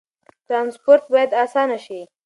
ترانسپورت باید اسانه شي.